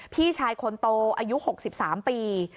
พี่ชายคนโตอายุ๖๓ปี